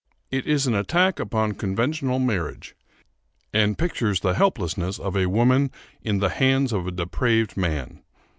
It is an attack upon conventional marriage, and pictures the helplessness of a woman in the hands of a depraved man.